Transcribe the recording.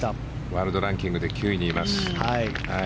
ワールドランキングで９位にいます。